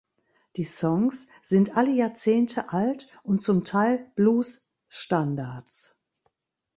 Die Songs sind alle Jahrzehnte alt und zum Teil Blues-Standards.